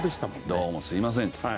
「どうもすいません」っつって。